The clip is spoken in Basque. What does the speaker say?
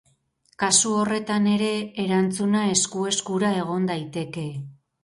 Kasu horretan ere, erantzuna esku-eskura egon daiteke.